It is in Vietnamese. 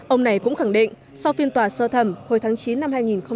ông này cũng khẳng định sau phiên tòa sơ thẩm hồi tháng chín năm hai nghìn một mươi ba